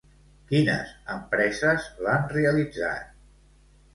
Quines empreses l'han realitzat?